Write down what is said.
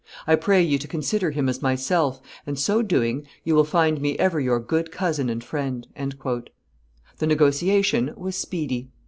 I pray you to consider him as myself, and, so doing, you will find me ever your good cousin and friend." The negotiation was speedy.